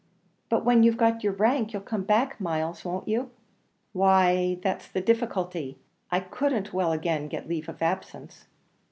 "But when you've got your rank, you'll come back, Myles, won't you?" "Why that's the difficulty I couldn't well again get leave of absence."